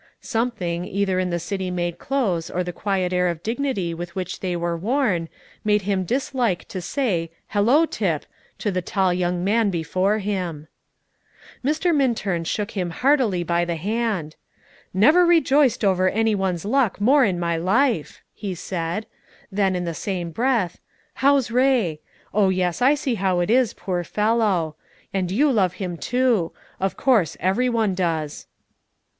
Something, either in the city made clothes or the quiet air of dignity with which they were worn, made him dislike to say "Hallo, Tip!" to the tall young man before him. Mr. Minturn shook him heartily by the hand. "Never rejoiced over any one's luck more in my life!" he said; then, in the same breath, "How's Ray? Oh yes, I see how it is, poor fellow! And you love him too; of course, every one does."